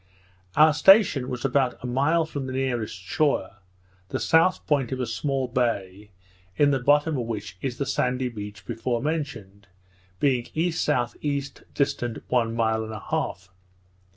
Our station was about a mile from the nearest shore, the south point of a small bay, in the bottom of which is the sandy beach before mentioned, being E.S.E., distant one mile and a half.